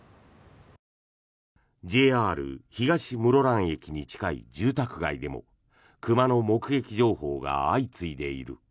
ＪＲ東室蘭駅に近い住宅街でも熊の目撃情報が相次いでいる。